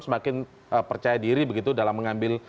semakin percaya diri begitu dalam mengambil